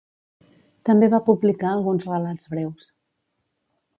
També va publicar alguns relats breus.